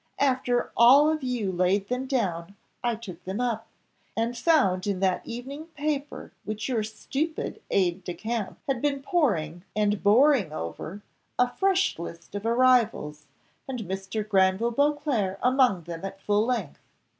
After you all of you laid them down I took them up, and found in that evening paper which your stupid aide de camp had been poring and boring over, a fresh list of arrivals, and Mr. Granville Beauclerc among them at full length.